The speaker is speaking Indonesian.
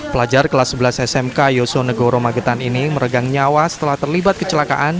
pelajar kelas sebelas smk yosonegoro magetan ini meregang nyawa setelah terlibat kecelakaan